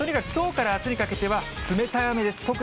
東京はきょうからあすにかけては、冷たい雨です。